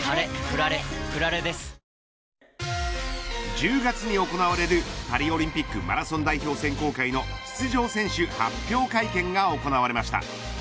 １０月に行われるパリオリンピックマラソン代表選考会の出場選手発表会見が行われました。